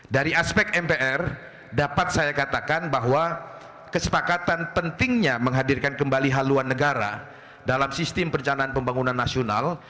dari aspek mpr dapat saya katakan bahwa kesepakatan pentingnya menghadirkan kembali haluan negara dalam sistem perencanaan pembangunan nasional